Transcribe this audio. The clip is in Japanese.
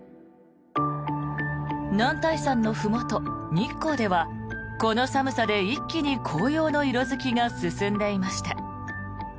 男体山のふもと、日光ではこの寒さで一気に紅葉の色付きが進んでいました。